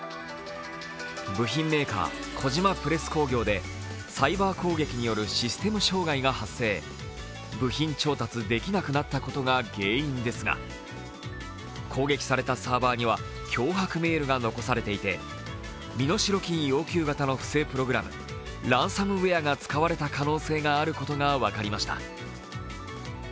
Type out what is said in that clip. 部品メーカー、小島プレス工業でサイバー攻撃によるシステム障害が発生、部品調達できなくなったことが原因ですが攻撃されたサーバーには脅迫メールが残されていて身代金要求型の不正プログラムランサムウエアが使われた可能性があることが分かりました。